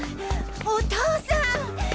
お父さん！